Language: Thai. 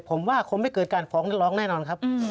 ผมว่าคงไม่เกิดการฟ้องร้องแน่นอนครับ